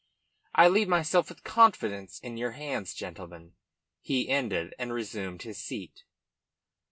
"I leave myself with confidence in your hands, gentlemen," he ended, and resumed his seat.